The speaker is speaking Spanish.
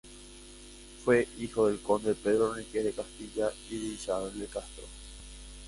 Fue hijo del conde Pedro Enríquez de Castilla y de Isabel de Castro.